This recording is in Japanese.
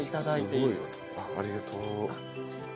ありがとう。